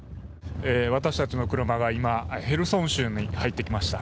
私たちの車が今、ヘルソン州に入ってきました。